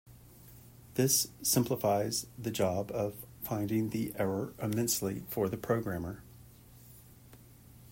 This simplifies the job of finding the error immensely for the programmer.